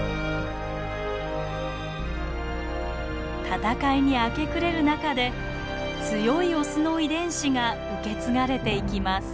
戦いに明け暮れる中で強いオスの遺伝子が受け継がれていきます。